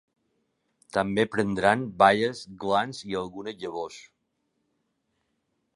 També prendran baies, glans i algunes llavors.